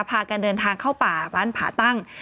พากันเดินทางเข้าป่าร้านผาตั้ง